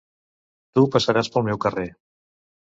Tu passaràs pel meu carrer.